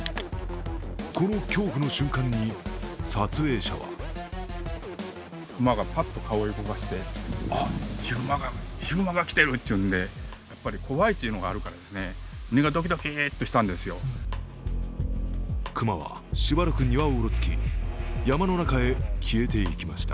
この恐怖の瞬間に撮影者は熊はしばらく庭をうろつき山の中へ消えていきました。